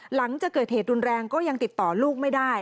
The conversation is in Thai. หลังจากเกิดเหตุรุนแรงก็ยังติดต่อลูกไม่ได้